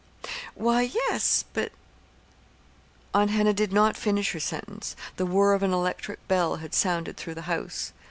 "Why, yes; but " Aunt Hannah did not finish her sentence. The whir of an electric bell had sounded through the house.